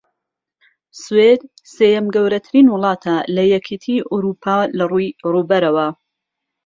سوێد سێیەم گەورەترین وڵاتە لە یەکێتی ئەوڕوپا لەڕووی ڕووبەرەوە